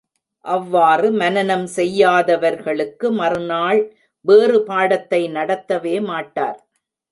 அவ்வாறு, மனனம் செய்யாதவர்களுக்கு மறுநாள் வேறுபாடத்தை நடத்தவே மாட்டார்.